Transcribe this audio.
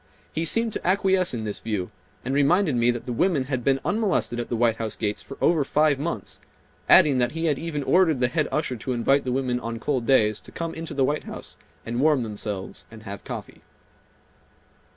He seemed to acquiesce in this view, and reminded me that the women had been unmolested at the White House gates for over five months, adding that he had even ordered the head usher to invite the women on cold days to come into the White House and warm themselves and have coffee.